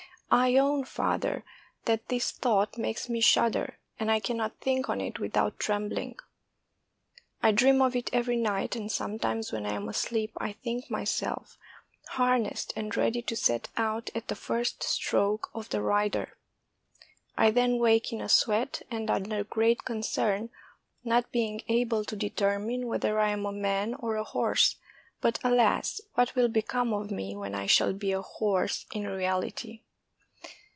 I own, father, that this thought makes me shudder, and I can not think on it without trembling. I dream of it every night, and sometimes when I am asleep, I think myself harnessed and ready to set out at the first stroke of the rider. I then wake in a sweat and under great concern, not being able to determine whether I am a man or a horse; but, alas, what will become of me when I shall be a horse in reality?